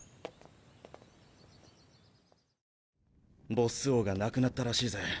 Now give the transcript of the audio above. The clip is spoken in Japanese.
ボッス王が亡くなったらしいぜ。